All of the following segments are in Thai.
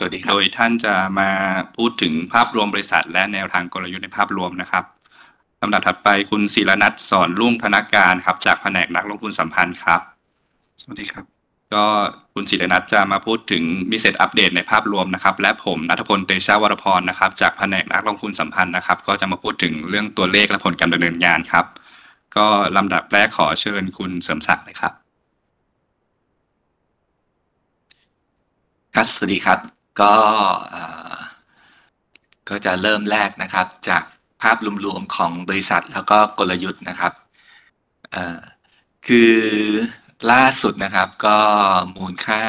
สวัสดีครับทุกท่านจะมาพูดถึงภาพรวมบริษัทและแนวทางกลยุทธ์ในภาพรวมนะครับลำดับถัดไปคุณศิรณัฐศรรุ่งพนักงานครับจากแผนกนักลงทุนสัมพันธ์ครับสวัสดีครับคุณศิรณัฐจะมาพูดถึง Business Update ในภาพรวมครับและผมณัฐพลเตชวรพรครับจากแผนกนักลงทุนสัมพันธ์ครับจะมาพูดถึงเรื่องตัวเลขและผลการดำเนินงานครับลำดับแรกขอเชิญคุณเสริมศักดิ์เลยครับครับสวัสดีครับก็จะเริ่มแรกนะครับจากภาพรวมของบริษัทแล้วก็กลยุทธ์นะครับคือล่าสุดนะครับก็มูลค่า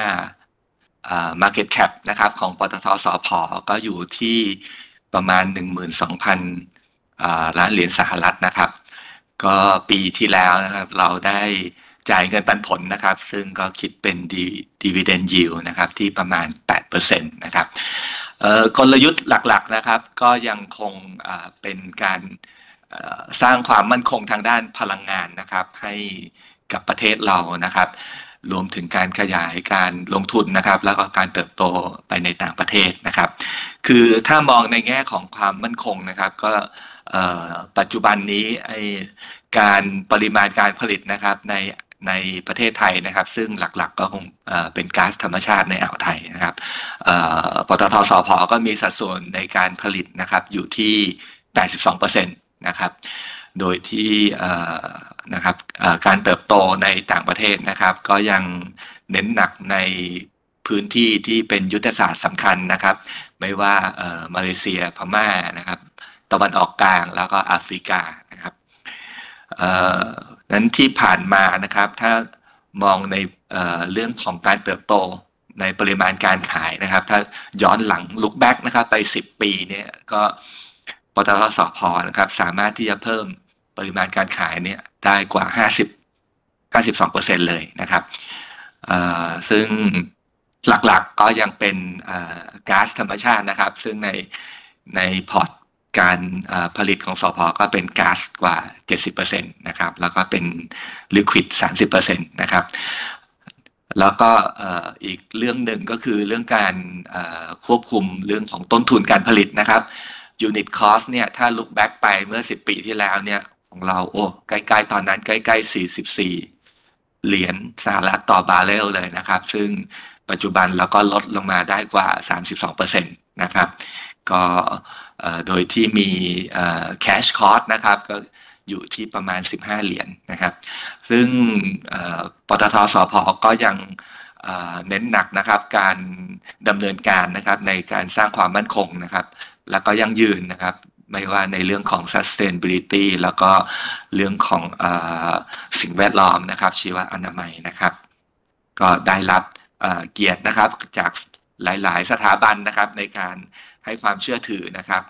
Market Cap นะครับของปต ท. ส ผ. ก็อยู่ที่ประมาณ $12,000 ล้านนะครับก็ปีที่แล้วนะครับเราได้จ่ายเงินปันผลนะครับซึ่งก็คิดเป็น Dividend Yield นะครับที่ประมาณ 8% นะครับกลยุทธ์หลักๆนะครับก็ยังคงเป็นการสร้างความมั่นคงทางด้านพลังงานนะครับให้กับประเทศเรานะครับรวมถึงการขยายการลงทุนนะครับแล้วก็การเติบโตไปในต่างประเทศนะครับคือถ้ามองในแง่ของความมั่นคงนะครับก็ปัจจุบันนี้การปริมาณการผลิตนะครับในประเทศไทยนะครับซึ่งหลักๆก็คงเป็นก๊าซธรรมชาติในอ่าวไทยนะครับปต ท. ส ผ. ก็มีสัดส่วนในการผลิตนะครับอยู่ที่ 82% นะครับโดยที่การเติบโตในต่างประเทศนะครับก็ยังเน้นหนักในพื้นที่ที่เป็นยุทธศาสตร์สำคัญนะครับไม่ว่ามาเลเซียพม่านะครับตะวันออกกลางแล้วก็แอฟริกานะครับที่ผ่านมานะครับถ้ามองในเรื่องของการเติบโตในปริมาณการขายนะครับถ้าย้อนหลัง Look Back นะครับไป10ปีนี่ก็ปต ท. ส ผ. นะครับสามารถที่จะเพิ่มปริมาณการขายนี่ได้กว่า 52% เลยนะครับซึ่งหลักๆก็ยังเป็นก๊าซธรรมชาตินะครับซึ่งในพอร์ตการผลิตของส ผ. ก็เป็นก๊าซกว่า 70% นะครับแล้วก็เป็น Liquid 30% นะครับแล้วก็อีกเรื่องหนึ่งก็คือเรื่องการควบคุมเรื่องของต้นทุนการผลิตนะครับ Unit Cost นี่ถ้า Look Back ไปเมื่อ10ปีที่แล้วนี่ของเราใกล้ๆตอนนั้นใกล้ๆ $44 ต่อบาร์เรลเลยนะครับซึ่งปัจจุบันเราก็ลดลงมาได้กว่า 32% นะครับโดยที่มี Cash Cost นะครับก็อยู่ที่ประมาณ $15 นะครับซึ่งปต ท. ส ผ. ก็ยังเน้นหนักนะครับการดำเนินการนะครับในการสร้างความมั่นคงนะครับแล้วก็ยั่งยืนนะครับไม่ว่าในเรื่องของ Sustainability แล้วก็เรื่องของสิ่งแวดล้อมนะครับชีวอนามัยนะครับก็ได้รับเกียรตินะครับจากหลายๆสถาบันนะครับในการให้ความเชื่อถือนะครับ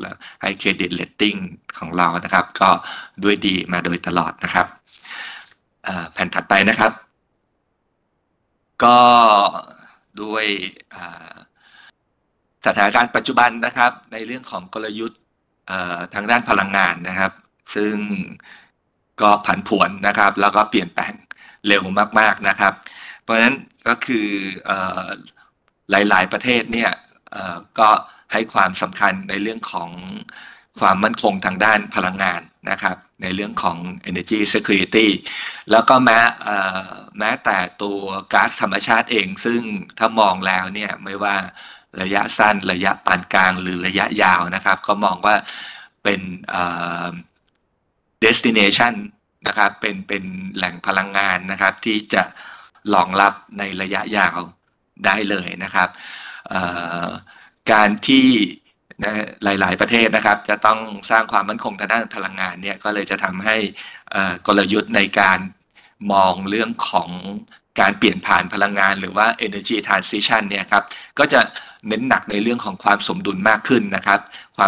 แล้วให้ Credit Rating ของเรานะครับก็ดีมาโดยตลอดนะครับแผ่นถัดไปนะครับก็ด้วยสถานการณ์ปัจจุบันนะครับในเรื่องของกลยุทธ์ทางด้านพลังงานนะครับซึ่งก็ผันผวนนะครับแล้วก็เปลี่ยนแปลงเร็วมากๆนะครับเพราะฉะนั้นก็คือหลายๆประเทศนี่ก็ให้ความสำคัญในเรื่องของความมั่นคงทางด้านพลังงานนะครับในเรื่องของ Energy Security แล้วก็แม้แต่ตัวก๊าซธรรมชาติเองซึ่งถ้ามองแล้วนี่ไม่ว่าระยะสั้นระยะปานกลางหรือระยะยาวนะครับก็มองว่าเป็น Destination นะครับเป็นแหล่งพลังงานนะครับที่จะรองรับในระยะยาวได้เลยนะครับการที่หลายๆประเทศนะครับจะต้องสร้างความมั่นคงทางด้านพลังงานนี่ก็เลยจะทำให้กลยุทธ์ในการมองเรื่องของการเปลี่ยนผ่านพลังงานหรือว่า Energy Transition นี่ครับก็จะเน้นหนักในเรื่องของความสมดุลมากขึ้นนะครับคว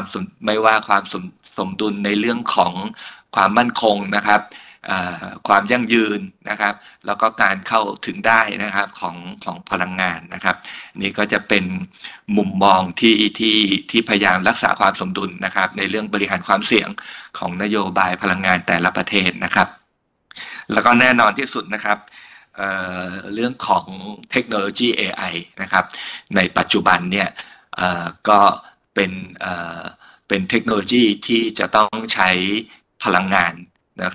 ามสมดุลในเรื่องของความมั่นคงนะครับความยั่งยืนนะครับแล้วก็การเข้าถึงได้นะครับของพลังงานนะครับนี่ก็จะเป็นมุมมองที่พยายามรักษาความสมดุลนะครับในเรื่องบริหารความเสี่ยงของนโยบายพลังงานแต่ละประเทศนะครับแล้วก็แน่นอนที่สุดนะครับเรื่องของเทคโนโลยี AI นะครับในปัจจุบันนี่ก็เป็นเทคโนโลยีที่จะต้องใช้พลังงานนะ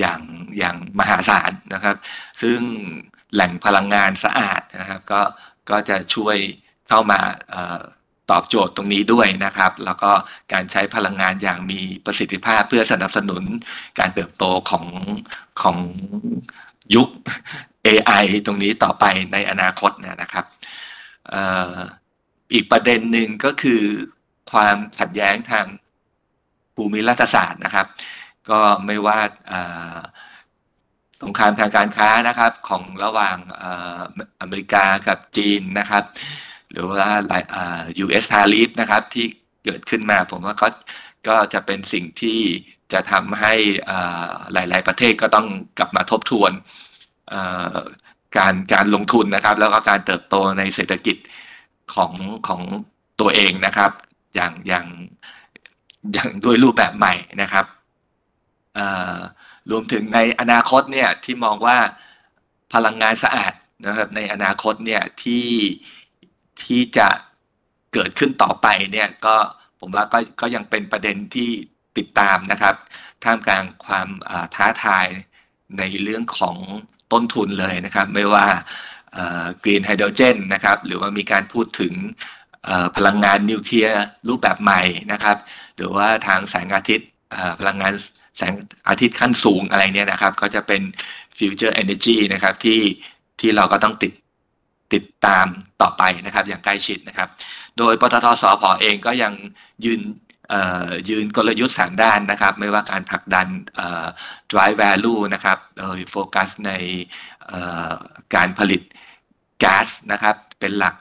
ครับอย่างมหาศาลนะครับซึ่งแหล่งพลังงานสะอาดนะครับก็จะช่วยเข้ามาตอบโจทย์ตรงนี้ด้วยนะครับแล้วก็การใช้พลังงานอย่างมีประสิทธิภาพเพื่อสนับสนุนการเติบโตของยุค AI ตรงนี้ต่อไปในอนาคตนี่นะครับอีกประเด็นหนึ่งก็คือความขัดแย้งทางภูมิรัฐศาสตร์นะครับก็ไม่ว่าสงครามทางการค้านะครับของระหว่างอเมริกากับจีนนะครับหรือว่าหลาย US ทารีฟนะครับที่เกิดขึ้นมาผมว่าก็จะเป็นสิ่งที่จะทำให้หลายๆประเทศก็ต้องกลับมาทบทวนการลงทุนนะครับแล้วก็การเติบโตในเศรษฐกิจของตัวเองนะครับอย่างด้วยรูปแบบใหม่นะครับรวมถึงในอนาคตนี่ที่มองว่าพลังงานสะอาดนะครับในอนาคตนี่ที่จะเกิดขึ้นต่อไปนี่ก็ผมว่าก็ยังเป็นประเด็นที่ติดตามนะครับท่ามกลางความท้าทายในเรื่องของต้นทุนเลยนะครับไม่ว่า Green ไฮโดรเจนนะครับหรือว่ามีการพูดถึงพลังงานนิวเคลียร์รูปแบบใหม่นะครับหรือว่าทางแสงอาทิตย์พลังงานแสงอาทิตย์ขั้นสูงอะไรงี้นะครับก็จะเป็น Future Energy นะครับที่เราก็ต้องติดตามต่อไปนะครับอย่างใกล้ชิดนะครับโดยปต ท. ส ผ. เองก็ยังยืนกลยุทธ์3ด้านนะครับไม่ว่าการผลักดัน Drive Value นะครับโดยโฟกัสในการผลิตแก๊สนะครับเป็นหลัก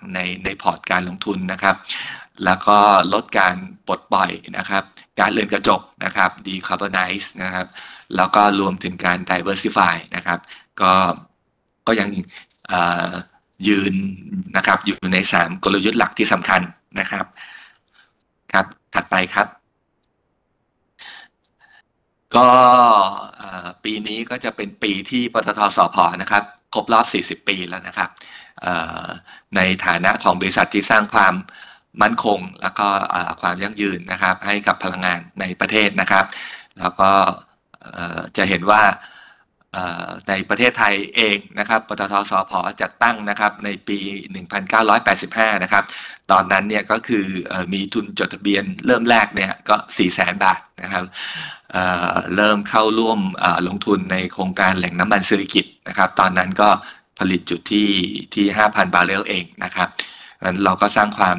ในพอร์ตการลงทุนนะครับแล้วก็ลดการปลดปล่อยนะครับการเรือนกระจกนะครับ Decarbonize นะครับแล้วก็รวมถึงการ Diversify นะครับก็ยังยืนนะครับอยู่ใน3กลยุทธ์หลักที่สำคัญนะครับถัดไปครับก็ปีนี้ก็จะเป็นปีที่ปต ท. ส ผ. นะครับครบรอบ40ปีแล้วนะครับในฐานะของบริษัทที่สร้างความมั่นคงแล้วก็ความยั่งยืนนะครับให้กับพลังงานในประเทศนะครับแล้วก็จะเห็นว่าในประเทศไทยเองปต ท. ส ผ. จัดตั้งนะครับในปี1985นะครับตอนนั้นนี่ก็คือมีทุนจดทะเบียนเริ่มแรกนี่ก็฿ 400,000 นะครับเริ่มเข้าร่วมลงทุนในโครงการแหล่งน้ำมันสิริกิติ์นะครับตอนนั้นก็ผลิตจุดที่ 5,000 บาร์เรลเองนะครับเราก็สร้างความ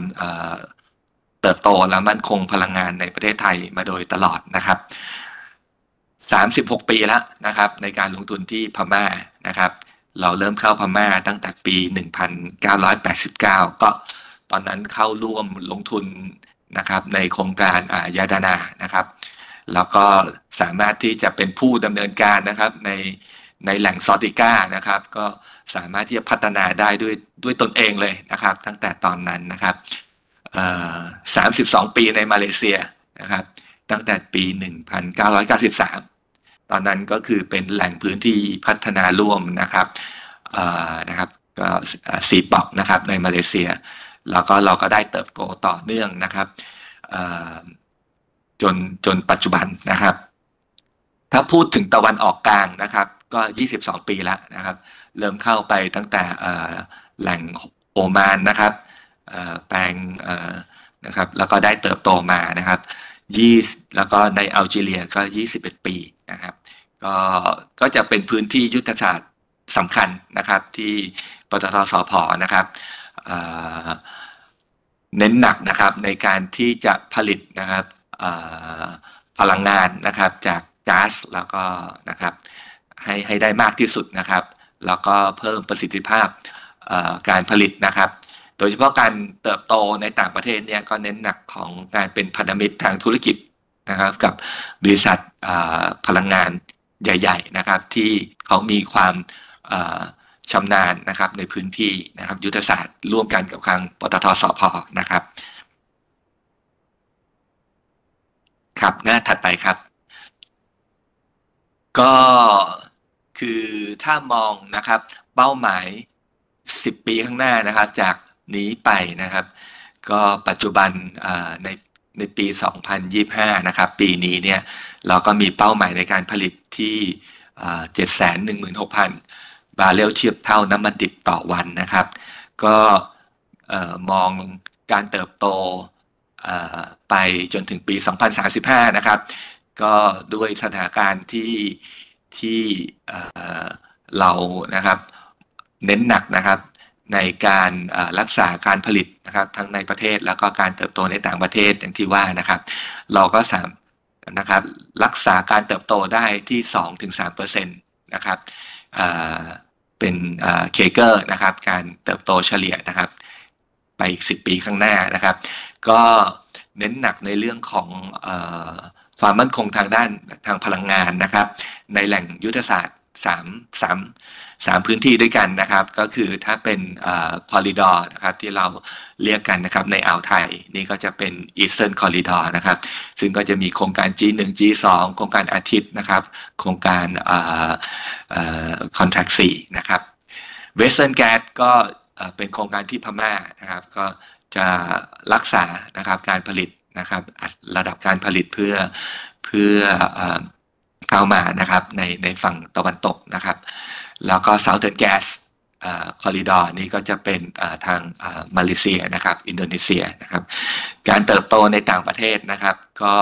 เติบโตและมั่นคงพลังงานในประเทศไทยมาโดยตลอดนะครับ36ปีแล้วนะครับในการลงทุนที่พม่านะครับเราเริ่มเข้าพม่าตั้งแต่ปี1989ก็ตอนนั้นเข้าร่วมลงทุนนะครับในโครงการยาดานานะครับแล้วก็สามารถที่จะเป็นผู้ดำเนินการนะครับในแหล่งซอติก้านะครับก็สามารถที่จะพัฒนาได้ด้วยตนเองเลยนะครับตั้งแต่ตอนนั้นนะครับ32ปีในมาเลเซียนะครับตั้งแต่ปี1993ตอนนั้นก็คือเป็นแหล่งพื้นที่พัฒนาร่วมนะครับ CPOP นะครับในมาเลเซียแล้วก็เราก็ได้เติบโตต่อเนื่องนะครับจนปัจจุบันนะครับถ้าพูดถึงตะวันออกกลางนะครับก็22ปีแล้วนะครับเริ่มเข้าไปตั้งแต่แหล่งโอมานนะครับแปลงนะครับแล้วก็ได้เติบโตมานะครับแล้วก็ในอัลจีเรียก็21ปีนะครับก็จะเป็นพื้นที่ยุทธศาสตร์สำคัญนะครับที่ปต ท. ส ผ. นะครับเน้นหนักนะครับในการที่จะผลิตนะครับพลังงานนะครับจากก๊าซแล้วก็นะครับให้ได้มากที่สุดนะครับแล้วก็เพิ่มประสิทธิภาพการผลิตนะครับโดยเฉพาะการเติบโตในต่างประเทศนี่ก็เน้นหนักของการเป็นพันธมิตรทางธุรกิจนะครับกับบริษัทพลังงานใหญ่ๆนะครับที่เขามีความชำนาญนะครับในพื้นที่นะครับยุทธศาสตร์ร่วมกันกับทางปต ท. ส ผ. นะครับหน้าถัดไปครับก็คือถ้ามองนะครับเป้าหมาย10ปีข้างหน้านะครับจากนี้ไปนะครับก็ปัจจุบันในปี2025นะครับปีนี้นี่เราก็มีเป้าหมายในการผลิตที่ 716,000 บาร์เรลเทียบเท่าน้ำมันดิบต่อวันนะครับก็มองการเติบโตไปจนถึงปี2035นะครับก็ด้วยสถานการณ์ที่เรานะครับเน้นหนักนะครับในการรักษาการผลิตนะครับทั้งในประเทศแล้วก็การเติบโตในต่างประเทศอย่างที่ว่านะครับเราก็สามารถนะครับรักษาการเติบโตได้ที่ 2-3% นะครับเป็น CAGR นะครับการเติบโตเฉลี่ยนะครับไปอีก10ปีข้างหน้านะครับก็เน้นหนักในเรื่องของความมั่นคงทางด้านพลังงานนะครับในแหล่งยุทธศาสตร์3พื้นที่ด้วยกันนะครับก็คือถ้าเป็นคอริดอร์นะครับที่เราเรียกกันนะครับในอ่าวไทยนี่ก็จะเป็น Eastern Corridor นะครับซึ่งก็จะมีโครงการ G1 G2 โครงการอาทิตย์นะครับโครงการ Contract C นะครับ Western Gas ก็เป็นโครงการที่พม่านะครับก็จะรักษานะครับการผลิตนะครับระดับการผลิตเพื่อเข้ามานะครับในฝั่งตะวันตกนะครับแล้วก็ Southern Gas Corridor นี่ก็จะเป็นทางมาเลเซียนะครับอินโดนีเซียนะครับการเติบโตในต่างประเทศนะครับก็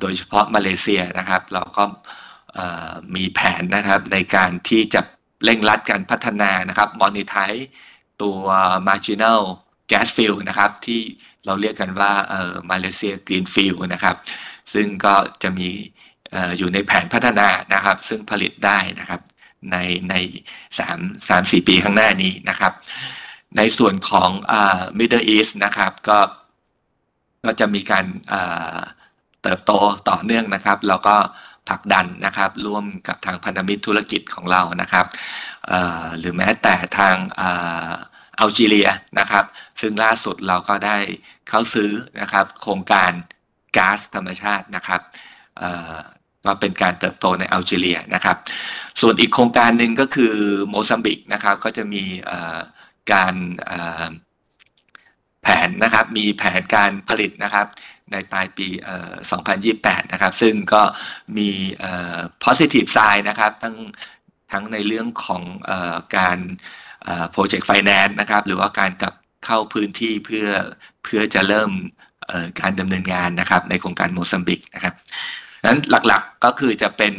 โดยเฉพาะมาเลเซียนะครับเราก็มีแผนนะครับในการที่จะเร่งรัดการพัฒนานะครับ Monetize ตัว Marginal Gas Field นะครับที่เราเรียกกันว่า Malaysia Green Field นะครับซึ่งก็จะมีอยู่ในแผนพัฒนานะครับซึ่งผลิตได้นะครับใน 3-4 ปีข้างหน้านี้นะครับในส่วนของ Middle East นะครับก็จะมีการเติบโตต่อเนื่องนะครับแล้วก็ผลักดันนะครับร่วมกับทางพันธมิตรธุรกิจของเรานะครับหรือแม้แต่ทางอัลจีเรียนะครับซึ่งล่าสุดเราก็ได้เข้าซื้อนะครับโครงการก๊าซธรรมชาตินะครับก็เป็นการเติบโตในอัลจีเรียนะครับส่วนอีกโครงการหนึ่งก็คือโมซัมบิกนะครับก็จะมีแผนการผลิตนะครับในปลายปี2028นะครับซึ่งก็มี Positive Sign นะครับทั้งในเรื่องของการ Project Finance นะครับหรือว่าการกลับเข้าพื้นที่เพื่อจะเริ่มการดำเนินงานนะครับในโครงการโมซัมบิกนะครับหลักๆก็คือจะเป็น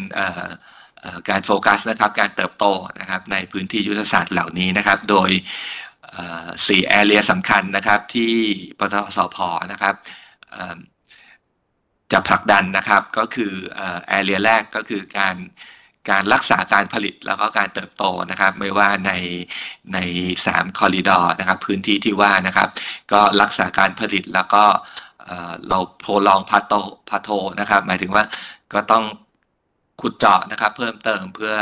การโฟกัสนะครับการเติบโตนะครับในพื้นที่ยุทธศาสตร์เหล่านี้นะครับโดย4 Area สำคัญนะครับที่ปต ท. ส ผ. นะครับจะผลักดันนะครับก็คือ Area แรกก็คือการรักษาการผลิตแล้วก็การเติบโตนะครับไม่ว่าใน3คอริดอร์นะครับพื้นที่ที่ว่านะครับก็รักษาการผลิตแล้วก็เราโปรดักชันนะครับหมายถึงว่าก็ต้องขุดเจาะนะครับเพิ่มเติมเพื่อ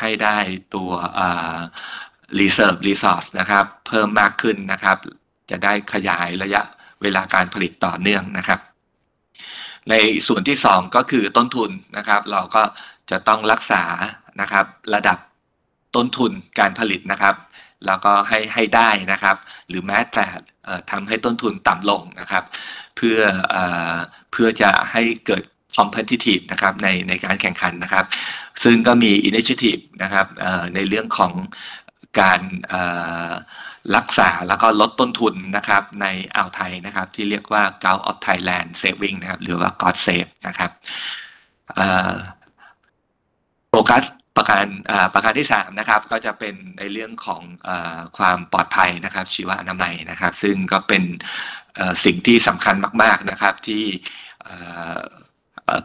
ให้ได้ตัว Reserve Resource นะครับเพิ่มมากขึ้นนะครับจะได้ขยายระยะเวลาการผลิตต่อเนื่องนะครับในส่วนที่2ก็คือต้นทุนนะครับเราก็จะต้องรักษานะครับระดับต้นทุนการผลิตนะครับแล้วก็ให้ได้นะครับหรือแม้แต่ทำให้ต้นทุนต่ำลงนะครับเพื่อจะให้เกิด Competitive นะครับในการแข่งขันนะครับซึ่งก็มี Initiative นะครับในเรื่องของการรักษาแล้วก็ลดต้นทุนนะครับในอ่าวไทยนะครับที่เรียกว่า Gulf of Thailand Saving นะครับหรือว่า God Save นะครับโฟกัสประการที่3นะครับก็จะเป็นในเรื่องของความปลอดภัยนะครับชีวอนามัยนะครับซึ่งก็เป็นสิ่งที่สำคัญมากๆนะครับที่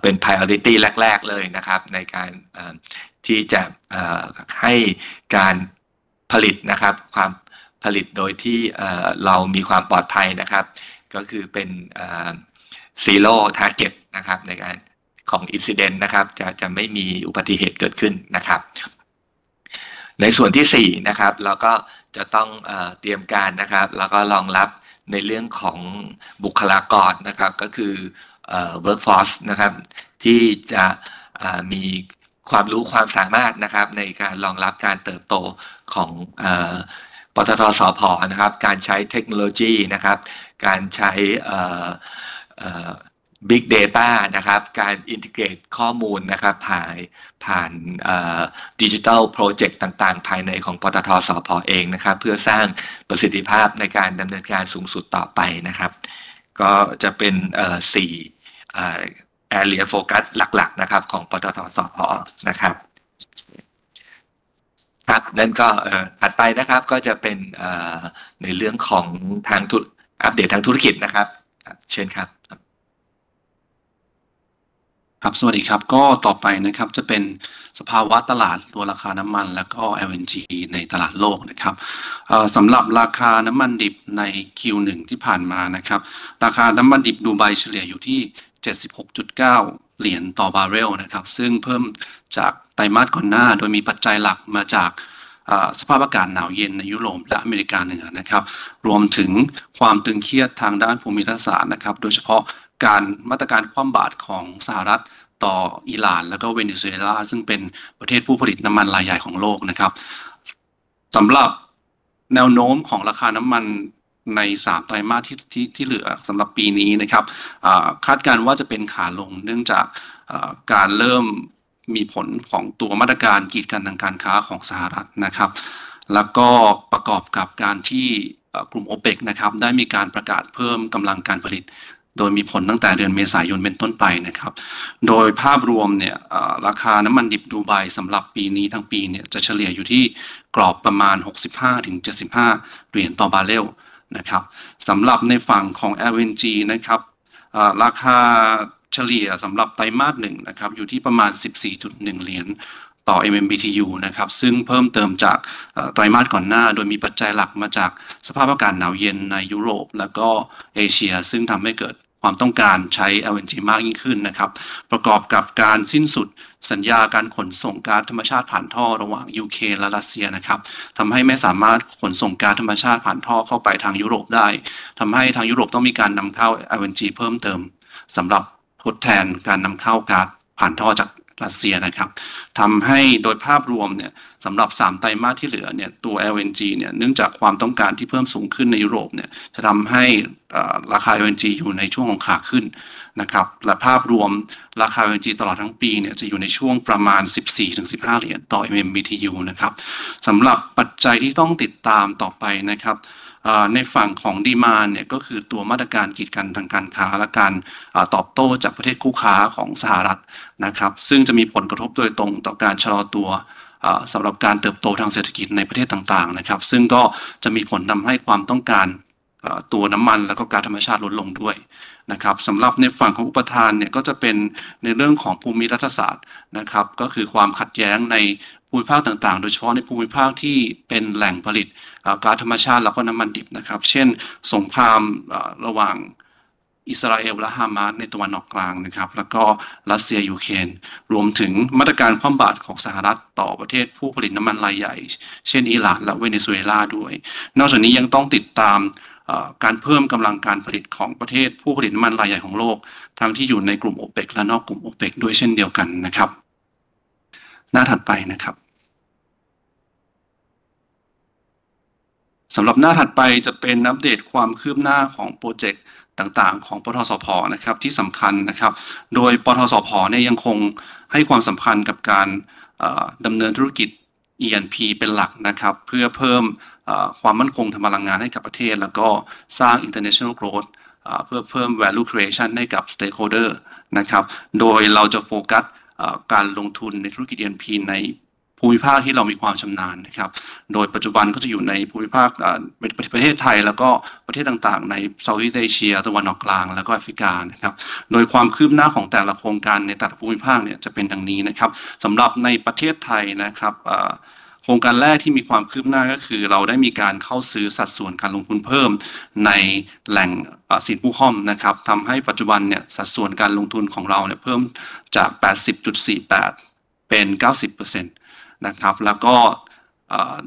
เป็น Priority แรกๆเลยนะครับในการที่จะให้การผลิตนะครับความผลิตโดยที่เรามีความปลอดภัยนะครับก็คือเป็น Zero Target นะครับในการของ Incident นะครับจะไม่มีอุบัติเหตุเกิดขึ้นนะครับในส่วนที่4นะครับเราก็จะต้องเตรียมการนะครับแล้วก็รองรับในเรื่องของบุคลากรนะครับก็คือ Workforce นะครับที่จะมีความรู้ความสามารถนะครับในการรองรับการเติบโตของปต ท. ส ผ. นะครับการใช้เทคโนโลยีนะครับการใช้ Big Data นะครับการ Integrate ข้อมูลนะครับผ่าน Digital Project ต่างๆภายในของปต ท. ส ผ. เองนะครับเพื่อสร้างประสิทธิภาพในการดำเนินการสูงสุดต่อไปนะครับก็จะเป็น4 Area โฟกัสหลักๆนะครับของปต ท. ส ผ. นะครับถัดไปนะครับก็จะเป็นในเรื่องของทางธุรกิจอัปเดตทางธุรกิจนะครับเชิญครับสวัสดีครับก็ต่อไปนะครับจะเป็นสภาวะตลาดตัวราคาน้ำมันแล้วก็ LNG ในตลาดโลกนะครับสำหรับราคาน้ำมันดิบใน Q1 ที่ผ่านมานะครับราคาน้ำมันดิบดูไบเฉลี่ยอยู่ที่ $76.9 ต่อบาร์เรลนะครับซึ่งเพิ่มจากไตรมาสก่อนหน้าโดยมีปัจจัยหลักมาจากสภาพอากาศหนาวเย็นในยุโรปและอเมริกาเหนือนะครับรวมถึงความตึงเครียดทางด้านภูมิศาสตร์นะครับโดยเฉพาะการมาตรการคว่ำบาตรของสหรัฐต่ออิหร่านแล้วก็เวเนซุเอลาซึ่งเป็นประเทศผู้ผลิตน้ำมันรายใหญ่ของโลกนะครับสำหรับแนวโน้มของราคาน้ำมันใน3ไตรมาสที่เหลือสำหรับปีนี้นะครับคาดการณ์ว่าจะเป็นขาลงเนื่องจากการเริ่มมีผลของตัวมาตรการกีดกันทางการค้าของสหรัฐนะครับแล้วก็ประกอบกับการที่กลุ่ม OPEC นะครับได้มีการประกาศเพิ่มกำลังการผลิตโดยมีผลตั้งแต่เดือนเมษายนเป็นต้นไปนะครับโดยภาพรวมนี่ราคาน้ำมันดิบดูไบสำหรับปีนี้ทั้งปีนี่จะเฉลี่ยอยู่ที่กรอบประมาณ $65-75 ต่อบาร์เรลนะครับสำหรับในฝั่งของ LNG นะครับราคาเฉลี่ยสำหรับไตรมาส1นะครับอยู่ที่ประมาณ $14.1 ต่อ MMBTU นะครับซึ่งเพิ่มเติมจากไตรมาสก่อนหน้าโดยมีปัจจัยหลักมาจากสภาพอากาศหนาวเย็นในยุโรปแล้วก็เอเชียซึ่งทำให้เกิดความต้องการใช้ LNG มากยิ่งขึ้นนะครับประกอบกับการสิ้นสุดสัญญาการขนส่งก๊าซธรรมชาติผ่านท่อระหว่าง UK และรัสเซียนะครับทำให้ไม่สามารถขนส่งก๊าซธรรมชาติผ่านท่อเข้าไปทางยุโรปได้ทำให้ทางยุโรปต้องมีการนำเข้า LNG เพิ่มเติมสำหรับทดแทนการนำเข้าก๊าซผ่านท่อจากรัสเซียนะครับทำให้โดยภาพรวมนี่สำหรับ3ไตรมาสที่เหลือนี่ตัว LNG นี่เนื่องจากความต้องการที่เพิ่มสูงขึ้นในยุโรปนี่จะทำให้ราคา LNG อยู่ในช่วงของขาขึ้นนะครับและภาพรวมราคา LNG ตลอดทั้งปีนี่จะอยู่ในช่วงประมาณ $14-15 ต่อ MMBTU นะครับสำหรับปัจจัยที่ต้องติดตามต่อไปนะครับในฝั่งของดีมานด์นี่ก็คือตัวมาตรการกีดกันทางการค้าและการตอบโต้จากประเทศคู่ค้าของสหรัฐนะครับซึ่งจะมีผลกระทบโดยตรงต่อการชะลอตัวสำหรับการเติบโตทางเศรษฐกิจในประเทศต่างๆนะครับซึ่งก็จะมีผลทำให้ความต้องการตัวน้ำมันแล้วก็การธรรมชาติลดลงด้วยนะครับสำหรับในฝั่งของอุปทานนี่ก็จะเป็นในเรื่องของภูมิรัฐศาสตร์นะครับก็คือความขัดแย้งในภูมิภาคต่างๆโดยเฉพาะในภูมิภาคที่เป็นแหล่งผลิตก๊าซธรรมชาติแล้วก็น้ำมันดิบนะครับเช่นสงครามระหว่างอิสราเอลและฮามาสในตะวันออกกลางนะครับแล้วก็รัสเซียยูเครนรวมถึงมาตรการคว่ำบาตรของสหรัฐต่อประเทศผู้ผลิตน้ำมันรายใหญ่เช่นอิหร่านและเวเนซุเอลาด้วยนอกจากนี้ยังต้องติดตามการเพิ่มกำลังการผลิตของประเทศผู้ผลิตน้ำมันรายใหญ่ของโลกทั้งที่อยู่ในกลุ่ม OPEC และนอกกลุ่ม OPEC ด้วยเช่นเดียวกันนะครับหน้าถัดไปนะครับสำหรับหน้าถัดไปจะเป็นอัปเดตความคืบหน้าของโปรเจคต่างๆของปต ท. ส ผ. นะครับที่สำคัญนะครับโดยปต ท. ส ผ. นี่ยังคงให้ความสำคัญกับการดำเนินธุรกิจ E&P เป็นหลักนะครับเพื่อเพิ่มความมั่นคงทางพลังงานให้กับประเทศแล้วก็สร้าง International Growth เพื่อเพิ่ม Value Creation ให้กับ Stakeholder นะครับโดยเราจะโฟกัสการลงทุนในธุรกิจ E&P ในภูมิภาคที่เรามีความชำนาญนะครับโดยปัจจุบันก็จะอยู่ในภูมิภาคประเทศไทยแล้วก็ประเทศต่างๆในซาอุเอเชียตะวันออกกลางแล้วก็แอฟริกานะครับโดยความคืบหน้าของแต่ละโครงการในแต่ละภูมิภาคนี่จะเป็นดังนี้นะครับสำหรับในประเทศไทยนะครับโครงการแรกที่มีความคืบหน้าก็คือเราได้มีการเข้าซื้อสัดส่วนการลงทุนเพิ่มในแหล่งสินผู้ห้อมนะครับทำให้ปัจจุบันนี่สัดส่วนการลงทุนของเรานี่เพิ่มจาก 80.48% เป็น 90% นะครับแล้วก็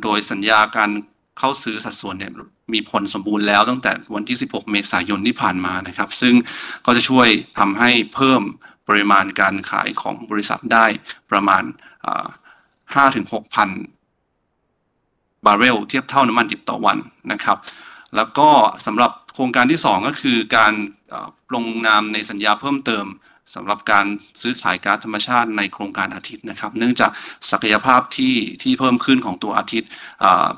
โดยสัญญาการเข้าซื้อสัดส่วนนี่มีผลสมบูรณ์แล้วตั้งแต่วันที่16เมษายนที่ผ่านมานะครับซึ่งก็จะช่วยทำให้เพิ่มปริมาณการขายของบริษัทได้ประมาณ 5-6,000 บาร์เรลเทียบเท่าน้ำมันดิบต่อวันนะครับแล้วก็สำหรับโครงการที่2ก็คือการลงนามในสัญญาเพิ่มเติมสำหรับการซื้อขายก๊าซธรรมชาติในโครงการอาทิตย์นะครับเนื่องจากศักยภาพที่เพิ่มขึ้นของตัวอาทิตย์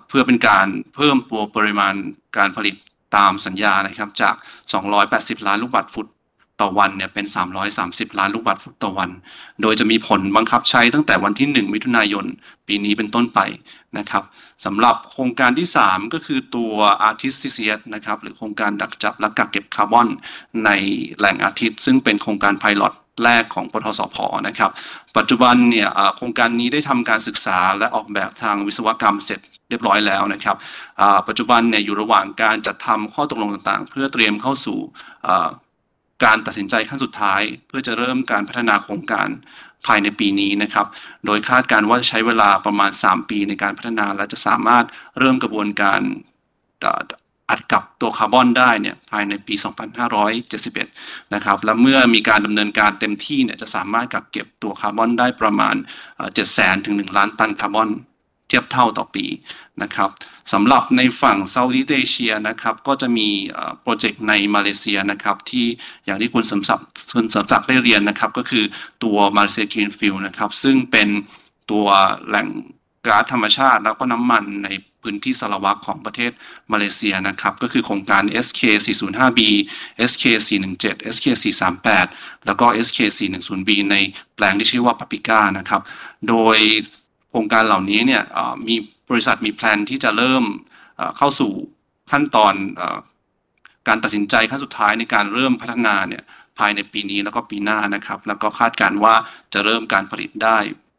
เพื่อเป็นการเพิ่มตัวปริมาณการผลิตตามสัญญานะครับจาก280ล้านลูกบาทฟุตต่อวันนี่เป็น330ล้านลูกบาทฟุตต่อวันโดยจะมีผลบังคับใช้ตั้งแต่วันที่1มิถุนายนปีนี้เป็นต้นไปนะครับสำหรับโครงการที่3ก็คือตัว Artistic นะครับหรือโครงการดักจับและกักเก็บคาร์บอนในแหล่งอาทิตย์ซึ่งเป็นโครงการ Pilot แรกของปต ท. ส ผ. นะครับปัจจุบันนี่โครงการนี้ได้ทำการศึกษาและออกแบบทางวิศวกรรมเสร็จเรียบร้อยแล้วนะครับปัจจุบันนี่อยู่ระหว่างการจัดทำข้อตกลงต่างๆเพื่อเตรียมเข้าสู่การตัดสินใจขั้นสุดท้ายเพื่อจะเริ่มการพัฒนาโครงการภายในปีนี้นะครับโดยคาดการณ์ว่าจะใช้เวลาประมาณ3ปีในการพัฒนาและจะสามารถเริ่มกระบวนการอัดกลับตัวคาร์บอนได้นี่ภายในปี2571นะครับและเมื่อมีการดำเนินการเต็มที่นี่จะสามารถกักเก็บตัวคาร์บอนได้ประมาณ 700,000-1 ล้านตันคาร์บอนเทียบเท่าต่อปีนะครับสำหรับในฝั่งซาอุเอเชียนะครับก็จะมีโปรเจคในมาเลเซียนะครับที่อย่างที่คุณสำสักได้เรียนนะครับก็คือตัว Malaysia Green Field นะครับซึ่งเป็นตัวแหล่งก๊าซธรรมชาติแล้วก็น้ำมันในพื้นที่สารวัตของประเทศมาเลเซียนะครับก็คือโครงการ SK405B, SK417, SK438 แล้วก็ SK410B ในแปลงที่ชื่อว่า Paprika นะครับโดยโครงการเหล่านี้นี่มีบริษัทมีแพลนที่จะเริ่มเข้าสู่ขั้นตอนการตัดสินใจขั้นสุดท้ายในการเริ่มพัฒนานี่ภายในปีนี้แล้วก็ปีหน้านะครับแล้วก็คาดการณ์ว่าจะเริ่มการผลิตได้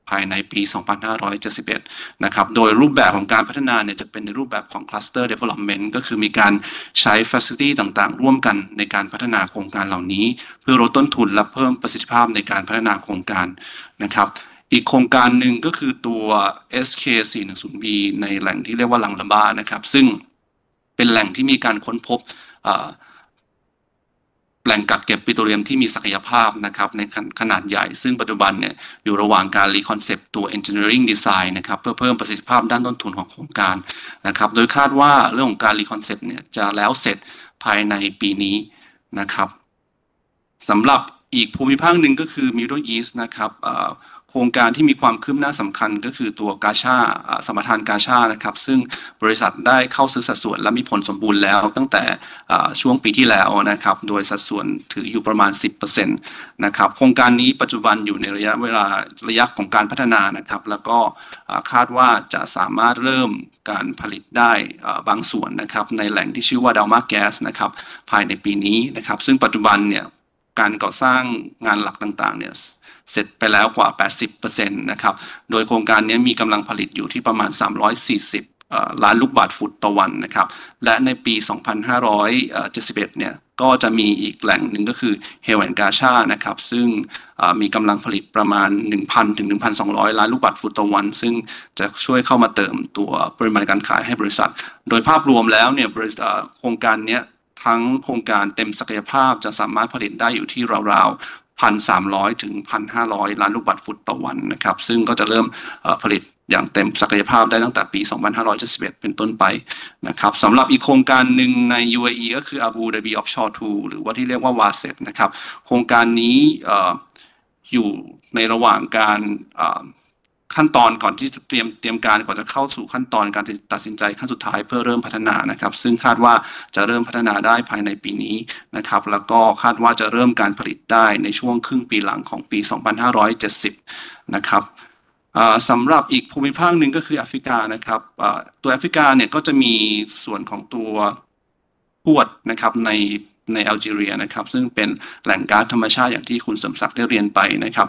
ภายในปี2571นะครับโดยรูปแบบของการพัฒนานี่จะเป็นในรูปแบบของ Cluster Development ก็คือมีการใช้ Facility ต่างๆร่วมกันในการพัฒนาโครงการเหล่านี้เพื่อลดต้นทุนและเพิ่มประสิทธิภาพในการพัฒนาโครงการนะครับอีกโครงการหนึ่งก็คือตัว SK410B ในแหล่งที่เรียกว่าลังระบะนะครับซึ่งเป็นแหล่งที่มีการค้นพบแหล่งกักเก็บปิโตเลียมที่มีศักยภาพนะครับในขนาดใหญ่ซึ่งปัจจุบันนี่อยู่ระหว่างการรีคอนเซปตัว Engineering Design นะครับเพื่อเพิ่มประสิทธิภาพด้านต้นทุนของโครงการนะครับโดยคาดว่าเรื่องของการรีคอนเซปนี่จะแล้วเสร็จภายในปีนี้นะครับสำหรับอีกภูมิภาคหนึ่งก็คือ Middle East นะครับโครงการที่มีความคืบหน้าสำคัญก็คือตัวกาช่าสัมปทานกาช่านะครับซึ่งบริษัทได้เข้าซื้อสัดส่วนและมีผลสมบูรณ์แล้วตั้งแต่ช่วงปีที่แล้วนะครับโดยสัดส่วนถืออยู่ประมาณ 10% นะครับโครงการนี้ปัจจุบันอยู่ในระยะเวลาระยะของการพัฒนานะครับแล้วก็คาดว่าจะสามารถเริ่มการผลิตได้บางส่วนนะครับในแหล่งที่ชื่อว่า Dalm Gas นะครับภายในปีนี้นะครับซึ่งปัจจุบันนี่การก่อสร้างงานหลักต่างๆนี่เสร็จไปแล้วกว่า 80% นะครับโดยโครงการนี้มีกำลังผลิตอยู่ที่ประมาณ340ล้านลูกบาทฟุตต่อวันนะครับและในปี2571นี่ก็จะมีอีกแหล่งหนึ่งก็คือ Hel and กาช่านะครับซึ่งมีกำลังผลิตประมาณ 1,000-1,200 ล้านลูกบาทฟุตต่อวันซึ่งจะช่วยเข้ามาเติมตัวปริมาณการขายให้บริษัทโดยภาพรวมแล้วนี่บริษัทโครงการนี้ทั้งโครงการเต็มศักยภาพจะสามารถผลิตได้อยู่ที่ราวๆ 1,300-1,500 ล้านลูกบาทฟุตต่อวันนะครับซึ่งก็จะเริ่มผลิตอย่างเต็มศักยภาพได้ตั้งแต่ปี2571เป็นต้นไปนะครับสำหรับอีกโครงการหนึ่งใน UAE ก็คือ Abu Dhabi Offshore 2หรือว่าที่เรียกว่า Wset นะครับโครงการนี้อยู่ในระหว่างการขั้นตอนก่อนที่จะเตรียมการก่อนจะเข้าสู่ขั้นตอนการตัดสินใจขั้นสุดท้ายเพื่อเริ่มพัฒนานะครับซึ่งคาดว่าจะเริ่มพัฒนาได้ภายในปีนี้นะครับแล้วก็คาดว่าจะเริ่มการผลิตได้ในช่วงครึ่งปีหลังของปี2570นะครับสำหรับอีกภูมิภาคหนึ่งก็คือแอฟริกานะครับตัวแอฟริกานี่ก็จะมีส่วนของตัวพวดนะครับในอัลจีเรียนะครับซึ่งเป็นแหล่งก๊าซธรรมชาติอย่างที่คุณเสริมศักดิ์ได้เรียนไปนะครับ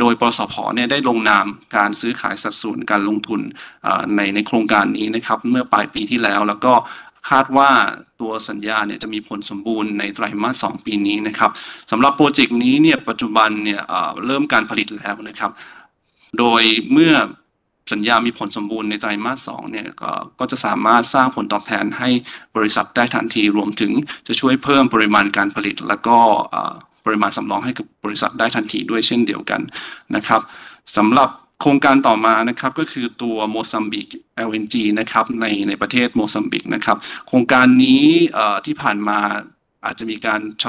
โดยปต ท. ส ผ. นี่ได้ลงนามการซื้อขายสัดส่วนการลงทุนในโครงการนี้นะครับเมื่อปลายปีที่แล้วแล้วก็คาดว่าตัวสัญญานี่จะมีผลสมบูรณ์ในไตรมาส2ปีนี้นะครับสำหรับโปรเจคนี้นี่ปัจจุบันนี่เริ่มการผลิตแล้วนะครับโดยเมื่อสัญญามีผลสมบูรณ์ในไตรมาส2นี่ก็จะสามารถสร้างผลตอบแทนให้บริษัทได้ทันทีรวมถึงจะช่วยเพิ่มปริมาณการผลิตแล้วก็ปริมาณสำรองให้กับบริษัทได้ทันทีด้วยเช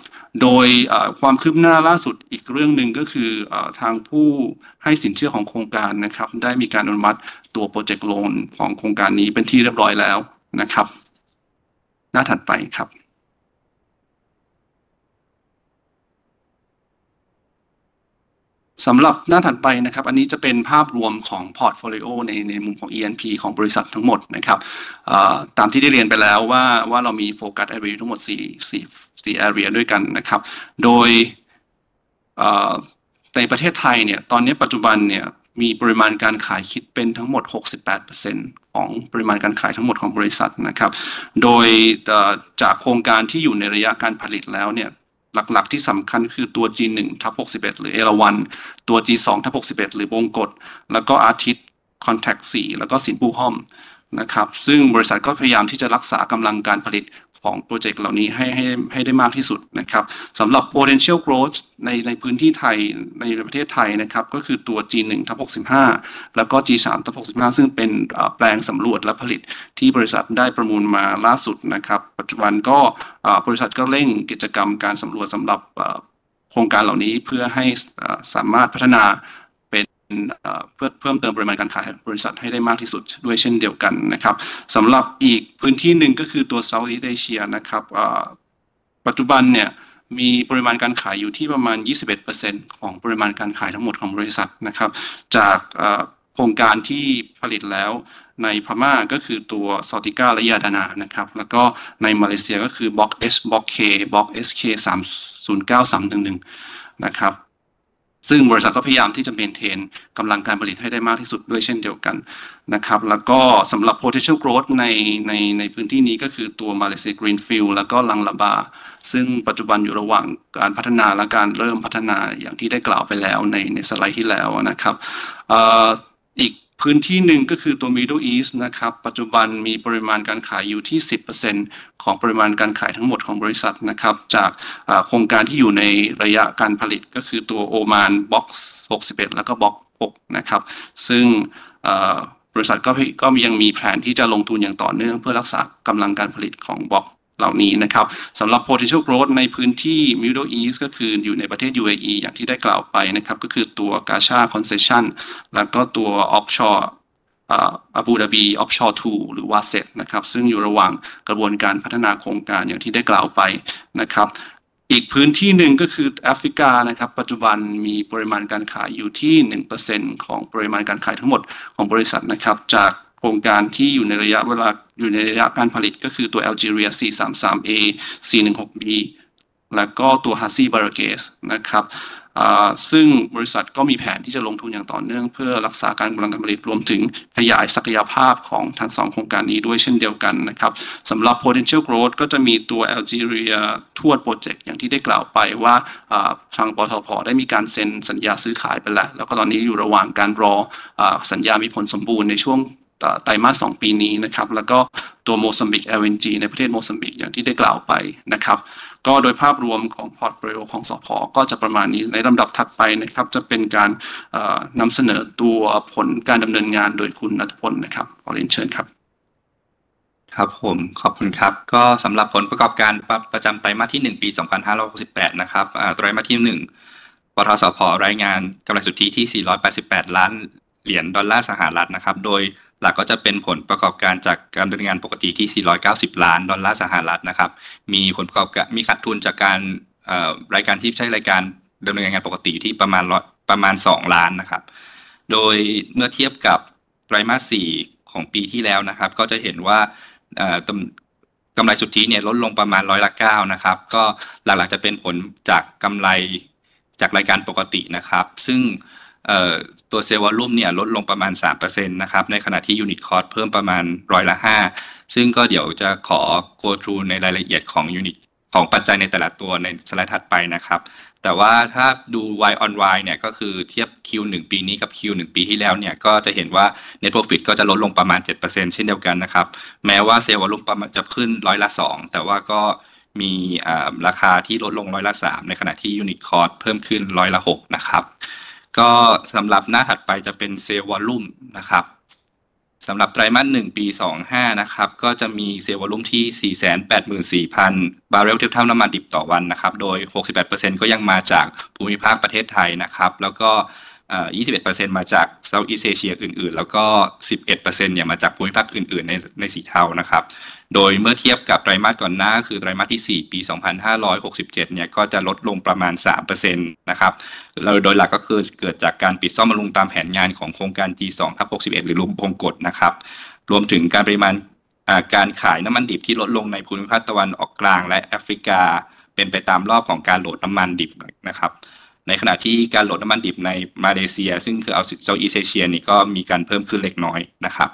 ่นเดียวกันนะครับสำหรับโครงการต่อมานะครับก็คือตัวโมซัมบิก LNG นะครับในประเทศโมซัมบิกนะครับโครงการนี้ที่ผ่าครับซึ่งบริษัทก็พยายามที่จะรักษากำลังการผลิตของโปรเจคเหล่านี้ให้ได้มากที่สุดนะครับสำหรับ Potential Growth ในพื้นที่ไทยในประเทศไทยนะครับก็คือตัว G1/65 แล้วก็ G3/65 ซึ่งเป็นแปลงสำรวจและผลิตที่บริษัทได้ประมูลมาล่าสุดนะครับปัจจุบันก็บริษัทก็เร่งกิจกรรมการสำรวจสำหรับโครงการเหล่านี้เพื่อให้สามารถพัฒนาเป็นเพื่อเพิ่มเติมปริมาณการขายบริษัทให้ได้มากที่สุดด้วยเช่นเดียวกันนะครับสำหรับอีกพื้นที่หนึ่งก็คือตัวซาอุเอเชียนะครับปัจจุบันนี่มีปริมาณการขายอยู่ที่ประมาณ 21% ของปริมาณการขายทั้งหมดของบริษัทนะครับจากโครงการที่ผลิตแล้วในพม่าก็คือตัว Stica และ Yadana นะครับแล้วก็ในมาเลเซียก็คือ Block S Block K Block SK 309311นะครับซึ่งบริษัทก็พยายามที่จะ maintain กำลังการผลิตให้ได้มากที่สุดด้วยเช่นเดียวกันนะครับแล้วก็สำหรับ Potential Growth ในพื้นที่นี้ก็คือตัว Malaysia Green Field แล้วก็ลังระบะซึ่งปัจจุบันอยู่ระหว่างการพัฒนาและการเริ่มพัฒนาอย่างที่ได้กล่าวไปแล้วในสไลด์ที่แล้วนะครับอีกพื้นที่หนึ่งก็คือตัว Middle East นะครับปัจจุบันมีปริมาณการขายอยู่ที่ 10% ของปริมาณการขายทั้งหมดของบริษัทนะครับจากโครงการที่อยู่ในระยะการผลิตก็คือตัว Oman Box 61แล้วก็ Block 6นะครับซึ่งบริษัทก็ยังมีแผนที่จะลงทุนอย่างต่อเนื่องเพื่อรักษากำลังการผลิตของบล็อกเหล่านี้นะครับสำหรับ Potential Growth ในพื้นที่ Middle East ก็คืออยู่ในประเทศ UAE อย่างที่ได้กล่าวไปนะครับก็คือตัว Gacha Concession แล้วก็ตัว Offshore Abu Dhabi Offshore 2หรือ Wset นะครับซึ่งอยู่ระหว่างกระบวนการพัฒนาโครงการอย่างที่ได้กล่าวไปนะครับอีกพื้นที่หนึ่งก็คือแอฟริกานะครับปัจจุบันมีปริมาณการขายอยู่ที่ 1% ของปริมาณการขายทั้งหมดของบริษัทนะครับจากโครงการที่อยู่ในระยะการผลิตก็คือตัว Algeria 433A 416B แล้วก็ตัว Hassy Bares นะครับซึ่งบริษัทก็มีแผนที่จะลงทุนอย่างต่อเนื่องเพื่อรักษาการกำลังการผลิตรวมถึงขยายศักยภาพของทั้ง2โครงการนี้ด้วยเช่นเดียวกันนะครับสำหรับ Potential Growth ก็จะมีตัว Algeria ทั่วโปรเจคอย่างที่ได้กล่าวไปว่าทางปต ท. ส ผ. ได้มีการเซ็นสัญญาซื้อขายไปแล้วแล้วก็ตอนนี้อยู่ระหว่างการรอสัญญามีผลสมบูรณ์ในช่วงไตรมาส2ปีนี้นะครับแล้วก็ตัวโมซัมบิก LNG ในประเทศโมซัมบิกอย่างที่ได้กล่าวไปนะครับโดยภาพรวมของ Portfolio ของส ผ. ก็จะประมาณนี้ในลำดับถัดไปนะครับจะเป็นการนำเสนอตัวผลการดำเนินงานโดยคุณณัฐพลนะครับขอเรียนเชิญครับผมขอบคุณครับก็สำหรับผลประกอบการประจำไตรมาสที่1ปี2568นะครับไตรมาสที่1ปต ท. ส ผ. รายงานกำไรสุทธิที่ $488 ล้านนะครับโดยหลักก็จะเป็นผลประกอบการจากการดำเนินงานปกติที่ $490 ล้านนะครับมีผลประกอบการมีขาดทุนจากการรายการที่ไม่ใช่รายการดำเนินงานปกติที่ประมาณ $2 ล้านนะครับโดยเมื่อเทียบกับไตรมาส4ของปีที่แล้วนะครับก็จะเห็นว่ากำไรสุทธินี่ลดลงประมาณ 9% นะครับก็หลักๆจะเป็นผลจากกำไรจากรายการปกตินะครับซึ่งตัว Sale Volume นี่ลดลงประมาณ 3% นะครับในขณะที่ Unit Cost เพิ่มประมาณ 5% ซึ่งก็เดี๋ยวจะขอ Go Through ในรายละเอียดของปัจจัยในแต่ละตัวในสไลด์ถัดไปนะครับแต่ว่าถ้าดู Y on Y นี่ก็คือเทียบ Q1 ปีนี้กับ Q1 ปีที่แล้วนี่ก็จะเห็นว่า Net Profit ก็จะลดลงประมาณ 7% เช่นเดียวกันนะครับแม้ว่า Sale Volume ประมาณจะขึ้น 2% แต่ว่าก็มีราคาที่ลดลง 3% ในขณะที่ Unit Cost เพิ่มขึ้น 6% นะครับสำหรับหน้าถัดไปจะเป็น Sale Volume นะครับสำหรับไตรมาส1ปี25นะครับก็จะมี Sale Volume ที่ 484,000 บาร์เรลเทียบเท่าน้ำมันดิบต่อวันนะครับโดย 68% ก็ยังมาจากภูมิภาคประเทศไทยนะครับแล้วก็ 21% มาจากซาอุเอเชียอื่นๆแล้วก็ 11% นี่มาจากภูมิภาคอื่นๆในสีเทานะครับโดยเมื่อเทียบกับไตรมาสก่อนหน้าก็คือไตรมาสที่4ปี2567นี่ก็จะลดลงประมาณ 3% นะครับแล้วโดยหลักก็คือเกิดจากการปิดซ่อมบำรุงตามแผนงานของโครงการ G2/61 หรือวงกตนะครับรวมถึงการปริมาณการขายน้ำมันดิบที่ลดลงในภูมิภาคตะวันออกกลางและแอฟริกาเป็นไปตามรอบของการโหลดน้ำมันดิบนะครับในขณะที่การโหลดน้ำมันดิบในมาเลเซียซึ่งคือซาอุเอเชียนี่ก็มีการเพิ่มขึ้นเล็กน้อยนะครับ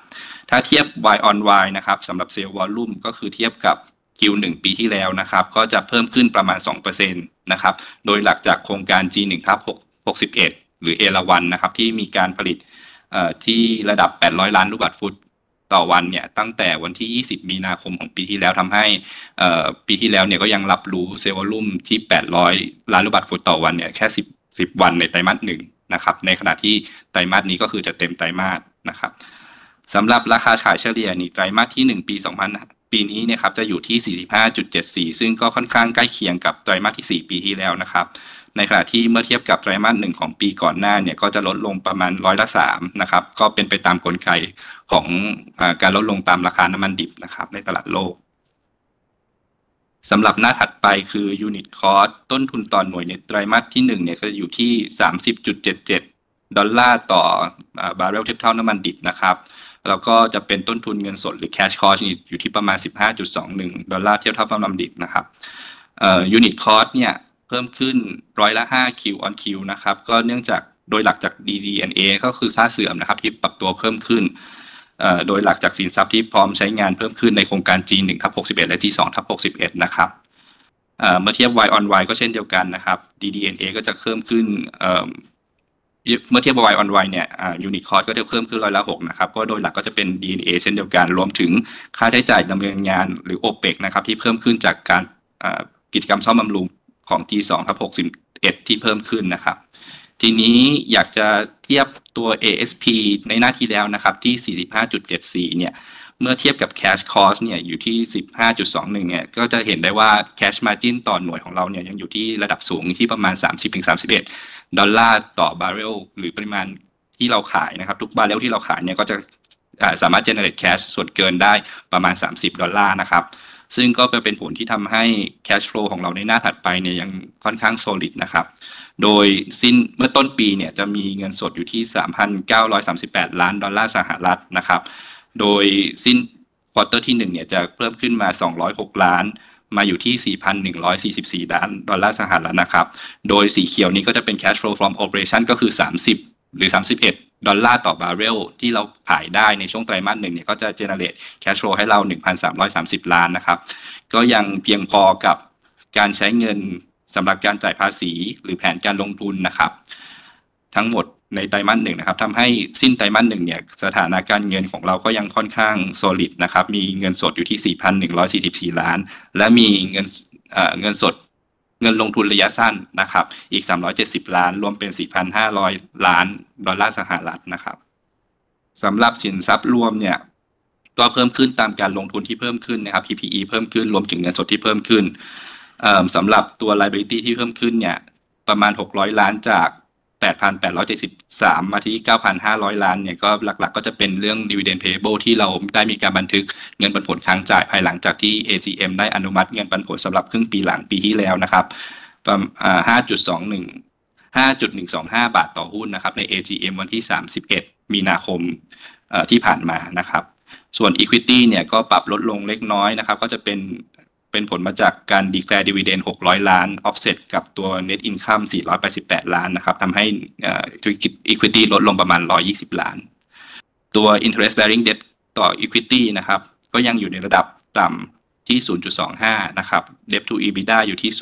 ถ้าเทียบ Y on Y นะครับสำหรับ Sale Volume ก็คือเทียบกับ Q1 ปีที่แล้วนะครับก็จะเพิ่มขึ้นประมาณ 2% นะครับโดยหลักจากโครงการ G1/61 หรือ A1 นะครับที่มีการผลิตที่ระดับ800ล้านลูกบาทฟุตต่อวันนี่ตั้งแต่วันที่20มีนาคมของปีที่แล้วทำให้ปีที่แล้วนี่ก็ยังรับรู้ Sale Volume ที่800ล้านลูกบาทฟุตต่อวันนี่แค่10วันในไตรมาส1นะครับในขณะที่ไตรมาสนี้ก็คือจะเต็มไตรมาสนะครับสำหรับราคาขายเฉลี่ยนี่ไตรมาสที่1ปีนี้นี่ครับจะอยู่ที่ $45.74 ซึ่งก็ค่อนข้างใกล้เคียงกับไตรมาสที่4ปีที่แล้วนะครับในขณะที่เมื่อเทียบกับไตรมาส1ของปีก่อนหน้านี่ก็จะลดลงประมาณ 3% นะครับก็เป็นไปตามกลไกของการลดลงตามราคาน้ำมันดิบนะครับในตลาดโลกสำหรับหน้าถัดไปคือ Unit Cost ต้นทุนต่อหน่วยในไตรมาสที่1นี่ก็จะอยู่ที่ $30.77 ต่อบาร์เรลเทียบเท่าน้ำมันดิบนะครับแล้วก็จะเป็นต้นทุนเงินสดหรือ Cash Cost นี่อยู่ที่ประมาณ $15.21 เทียบเท่าน้ำมันดิบนะครับ Unit Cost นี่เพิ่มขึ้น 5% Q on Q นะครับก็เนื่องจากโดยหลักจาก DDNA ก็คือค่าเสื่อมนะครับที่ปรับตัวเพิ่มขึ้นโดยหลักจากสินทรัพย์ที่พร้อมใช้งานเพิ่มขึ้นในโครงการ G1/61 และ G2/61 นะครับเมื่อเทียบ Y on Y ก็เช่นเดียวกันนะครับ DDNA ก็จะเพิ่มขึ้นเมื่อเทียบกับ Y on Y นี่ Unit Cost ก็จะเพิ่มขึ้น 6% นะครับก็โดยหลักก็จะเป็น DNA เช่นเดียวกันรวมถึงค่าใช้จ่ายดำเนินงานหรือ OPEX นะครับที่เพิ่มขึ้นจากการกิจกรรมซ่อมบำรุงของ G2/61 ที่เพิ่มขึ้นนะครับทีนี้อยากจะเทียบตัว ASP ในหน้าที่แล้วนะครับที่ $45.74 นี่เมื่อเทียบกับ Cash Cost นี่อยู่ที่ $15.21 นี่ก็จะเห็นได้ว่า Cash Margin ต่อหน่วยของเรานี่ยังอยู่ที่ระดับสูงอยู่ที่ประมาณ $30-31 ต่อบาร์เรลหรือปริมาณที่เราขายนะครับทุกบาร์เรลที่เราขายนี่ก็จะสามารถ Generate Cash ส่วนเกินได้ประมาณ $30 นะครับซึ่งก็จะเป็นผลที่ทำให้ Cash Flow ของเราในหน้าถัดไปนี่ยังค่อนข้าง Solid นะครับโดยสิ้นเมื่อต้นปีนี่จะมีเงินสดอยู่ที่ $3,938 ล้านนะครับโดยสิ้น Quarter ที่1นี่จะเพิ่มขึ้นมา $206 ล้านมาอยู่ที่ $4,144 ล้านนะครับโดยสีเขียวนี้ก็จะเป็น Cash Flow from Operation ก็คือ $30 หรือ $31 ต่อบาร์เรลที่เราขายได้ในช่วงไตรมาส1นี่ก็จะ Generate Cash Flow ให้เรา $1,330 ล้านนะครับก็ยังเพียงพอกับการใช้เงินสำหรับการจ่ายภาษีหรือแผนการลงทุนนะครับทั้งหมดในไตรมาส1นะครับทำให้สิ้นไตรมาส1นี่สถานะการเงินของเราก็ยังค่อนข้าง Solid นะครับมีเงินสดอยู่ที่ $4,144 ล้านและมีเงินลงทุนระยะสั้นนะครับอีก $370 ล้านรวมเป็น $4,500 ล้านนะครับสำหรับสินทรัพย์รวมนี่ก็เพิ่มขึ้นตามการลงทุนที่เพิ่มขึ้นนะครับ PPE เพิ่มขึ้นรวมถึงเงินสดที่เพิ่มขึ้นสำหรับตัว Liability ที่เพิ่มขึ้นนี่ประมาณ $600 ล้านจาก $8,873 มาที่ $9,500 ล้านนี่ก็หลักๆก็จะเป็นเรื่อง Dividend Payable ที่เราได้มีการบันทึกเงินปันผลค้างจ่ายภายหลังจากที่ AGM ได้อนุมัติเงินปันผลสำหรับครึ่งปีหลังปีที่แล้วนะครับประมาณ฿ 5.125 ต่อหุ้นนะครับใน AGM วันที่31มีนาคมที่ผ่านมานะครับส่วน Equity นี่ก็ปรับลดลงเล็กน้อยนะครับก็จะเป็นผลมาจากการ Declare Dividend $600 ล้าน Offset กับตัว Net Income $488 ล้านนะครับทำให้ Equity ลดลงประมาณ $120 ล้านตัว Interest Bearing Debt ต่อ Equity นะครับก็ยังอยู่ในระดับต่ำที่ 0.25 นะครับ Debt to EBITDA อยู่ที่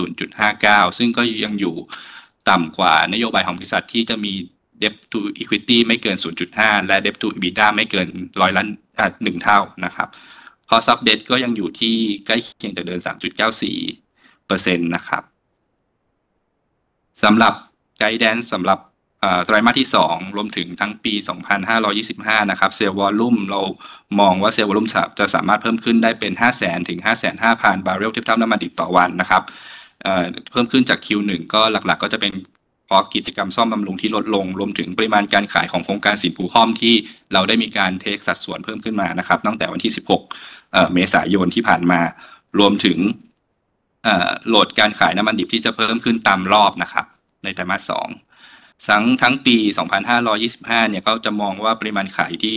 0.59 ซึ่งก็ยังอยู่ต่ำกว่านโยบายของบริษัทที่จะมี Debt to Equity ไม่เกิน 0.5 และ Debt to EBITDA ไม่เกิน1เท่านะครับ Cost of Debt ก็ยังอยู่ที่ใกล้เคียงจากเดิม 3.94% นะครับสำหรับ Guidance สำหรับไตรมาสที่2รวมถึงทั้งปี2525นะครับ Sale Volume เรามองว่า Sale Volume จะสามารถเพิ่มขึ้นได้เป็น 500,000-550,000 บาร์เรลเทียบเท่าน้ำมันดิบต่อวันนะครับเพิ่มขึ้นจาก Q1 ก็หลักๆก็จะเป็นเพราะกิจกรรมซ่อมบำรุงที่ลดลงรวมถึงปริมาณการขายของโครงการสินผู้ห้อมที่เราได้มีการเทคสัดส่วนเพิ่มขึ้นมานะครับตั้งแต่วันที่16เมษายนที่ผ่านมารวมถึงโหลดการขายน้ำมันดิบที่จะเพิ่มขึ้นตามรอบนะครับในไตรมาส2ทั้งปี2525นี่ก็จะมองว่าปริมาณขายที่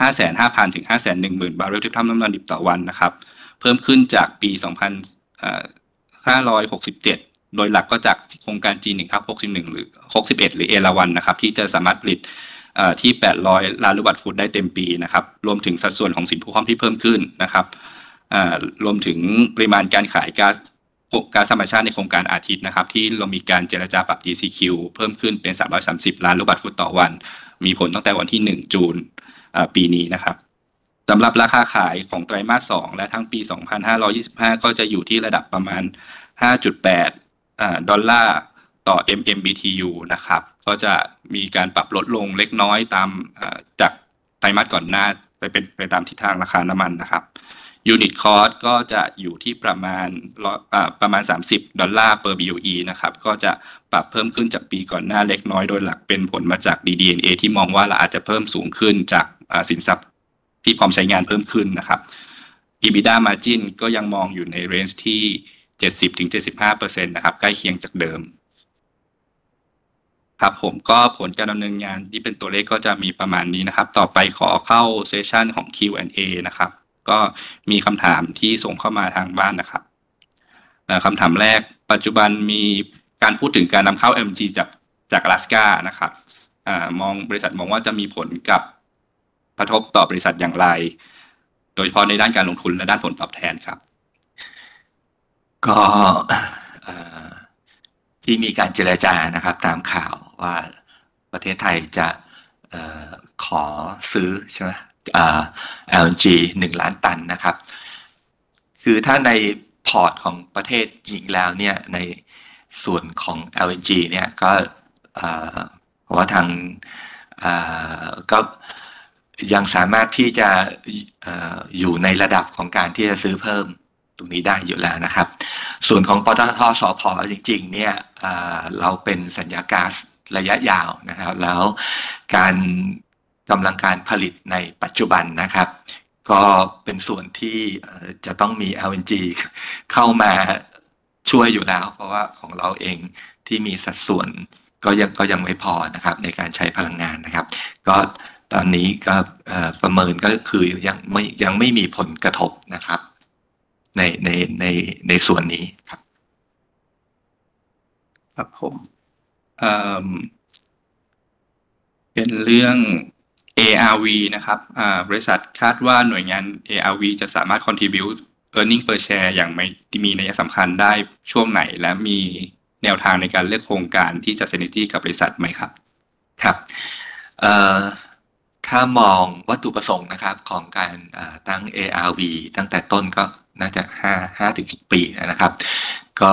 550,000-510,000 บาร์เรลเทียบเท่าน้ำมันดิบต่อวันนะครับเพิ่มขึ้นจากปี2567โดยหลักก็จากโครงการ G1/61 หรือ A1 นะครับที่จะสามารถผลิตที่800ล้านลูกบาทฟุตได้เต็มปีนะครับรวมถึงสัดส่วนของสินผู้ห้อมที่เพิ่มขึ้นนะครับรวมถึงปริมาณการขายก๊าซธรรมชาติในโครงการอาทิตย์นะครับที่เรามีการเจรจาปรับ ECQ เพิ่มขึ้นเป็น330ล้านลูกบาทฟุตต่อวันมีผลตั้งแต่วันที่1มิถุนายนปีนี้นะครับสำหรับราคาขายของไตรมาส2และทั้งปี2525ก็จะอยู่ที่ระดับประมาณ $58 ต่อ MMBTU นะครับก็จะมีการปรับลดลงเล็กน้อยตามจากไตรมาสก่อนหน้าไปเป็นไปตามทิศทางราคาน้ำมันนะครับ Unit Cost ก็จะอยู่ที่ประมาณ $30 per BOE นะครับก็จะปรับเพิ่มขึ้นจากปีก่อนหน้าเล็กน้อยโดยหลักเป็นผลมาจาก DDNA ที่มองว่าเราอาจจะเพิ่มสูงขึ้นจากสินทรัพย์ที่พร้อมใช้งานเพิ่มขึ้นนะครับ EBITDA Margin ก็ยังมองอยู่ใน Range ที่ 70-75% นะครับใกล้เคียงจากเดิมครับผมก็ผลการดำเนินงานที่เป็นตัวเลขก็จะมีประมาณนี้นะครับต่อไปขอเข้า Session ของ Q&A นะครับก็มีคำถามที่ส่งเข้ามาทางบ้านนะครับคำถามแรกปัจจุบันมีการพูดถึงการนำเข้า LNG จากอลาสก้านะครับมองบริษัทมองว่าจะมีผลกระทบต่อบริษัทอย่างไรโดยเฉพาะในด้านการลงทุนและด้านผลตอบแทนครับก็ที่มีการเจรจานะครับตามข่าวว่าประเทศไทยจะซื้อ LNG 1ล้านตันนะครับคือถ้าในพอร์ตของประเทศจริงๆแล้วนี่ในส่วนของ LNG นี่ก็ผมว่าทางก็ยังสามารถที่จะอยู่ในระดับของการที่จะซื้อเพิ่มตรงนี้ได้อยู่แล้วนะครับส่วนของปต ท. ส ผ. จริงๆนี่เราเป็นสัญญาก๊าซระยะยาวนะครับแล้วการกำลังการผลิตในปัจจุบันนะครับก็เป็นส่วนที่จะต้องมี LNG เข้ามาช่วยอยู่แล้วเพราะว่าของเราเองที่มีสัดส่วนก็ยังไม่พอนะครับในการใช้พลังงานนะครับก็ตอนนี้ก็ประเมินก็คือยังไม่มีผลกระทบนะครับในส่วนนี้ครับเป็นเรื่อง ARV นะครับบริษัทคาดว่าหน่วยงาน ARV จะสามารถ Contribute Earning Per Share อย่างมีนัยสำคัญได้ช่วงไหนและมีแนวทางในการเลือกโครงการที่จะ Synergy กับบริษัทไหมครับถ้ามองวัตถุประสงค์นะครับของการทั้ง ARV ตั้งแต่ต้นก็น่าจะ 5-6 ปีนะครับก็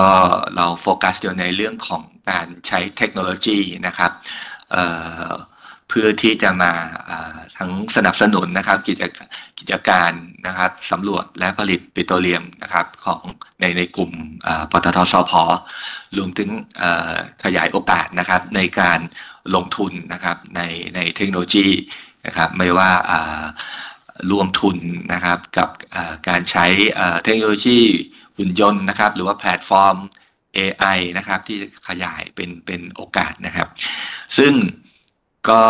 เราโฟกัสอยู่ในเรื่องของการใช้เทคโนโลยีนะครับเพื่อที่จะมาทั้งสนับสนุนนะครับกิจการสำรวจและผลิตปิโตรเลียมนะครับของในกลุ่มปต ท. ส ผ. รวมถึงขยายโอกาสนะครับในการลงทุนนะครับในเทคโนโลยีนะครับไม่ว่าร่วมทุนนะครับกับการใช้เทคโนโลยีหุ่นยนต์นะครับหรือว่าแพลตฟอร์ม AI นะครับที่จะขยายเป็นโอกาสนะครับซึ่งก็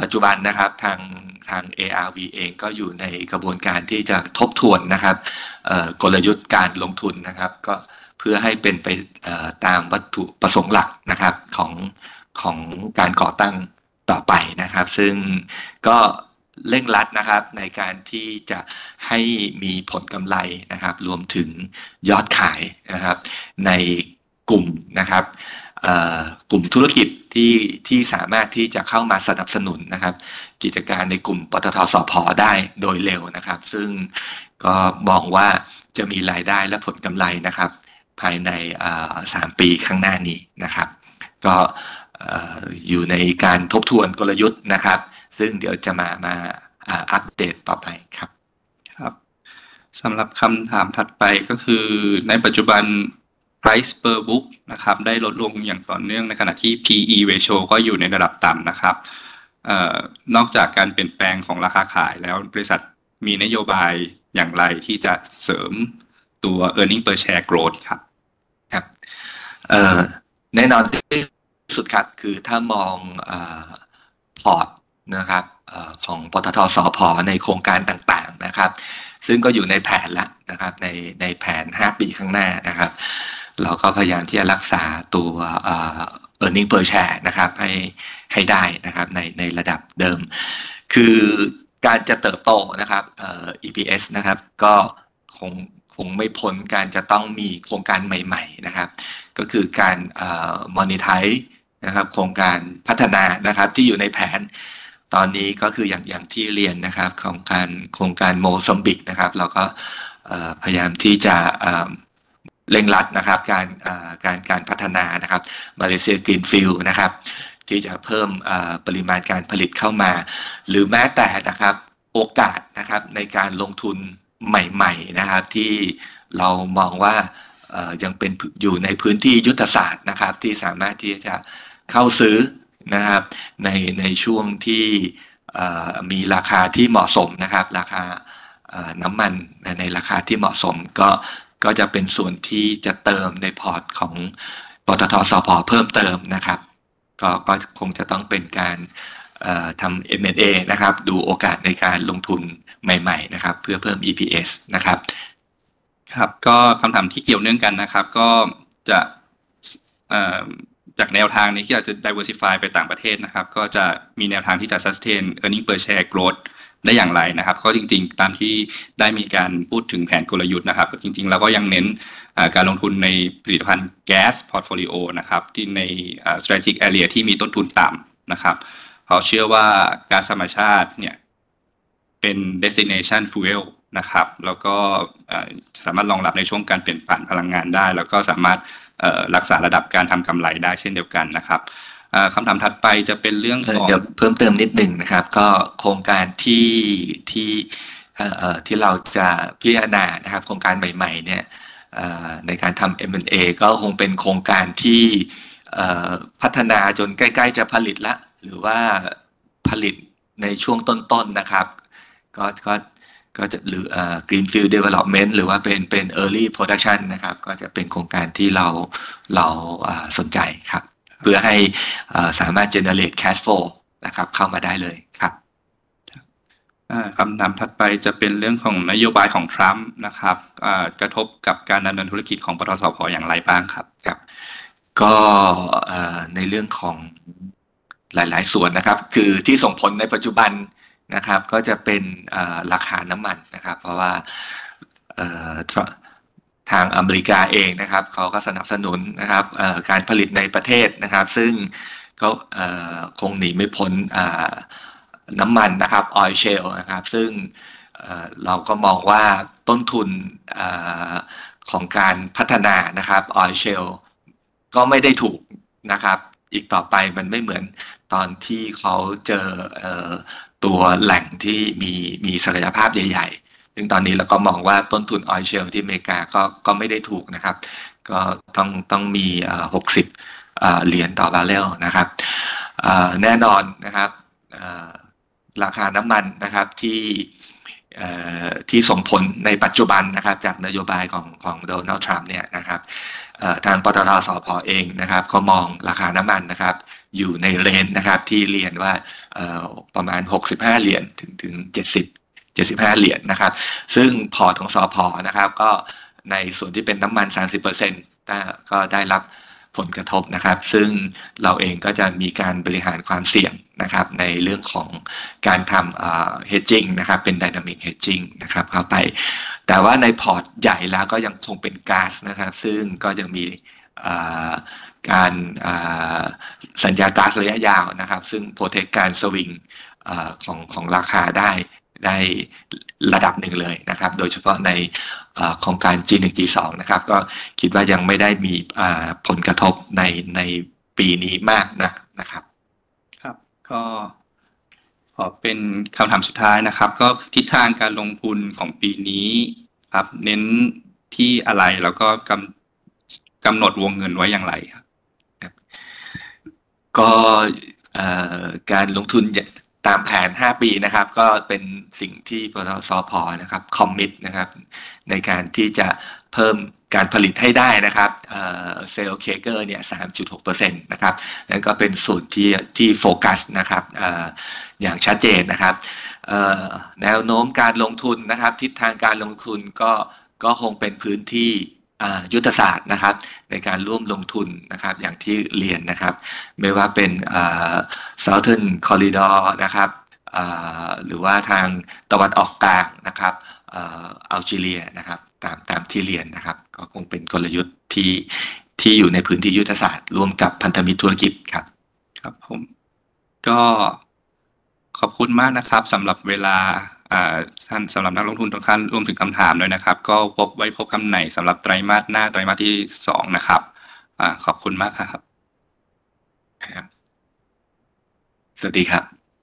ปัจจุบันนะครับทาง ARV เองก็อยู่ในกระบวนการที่จะทบทวนนะครับกลยุทธ์การลงทุนนะครับก็เพื่อให้เป็นไปตามวัตถุประสงค์หลักนะครับของการก่อตั้งต่อไปนะครับซึ่งก็เร่งรัดนะครับในการที่จะให้มีผลกำไรนะครับรวมถึงยอดขายนะครับในกลุ่มนะครั